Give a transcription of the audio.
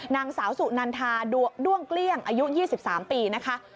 นางสาวสุนันทาด้วงเกลี้ยงอายุ๒๓ปีนะคะ